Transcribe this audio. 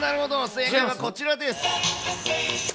正解はこちらです。